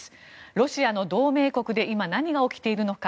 ロシアの同盟国で今、何が起きているのか。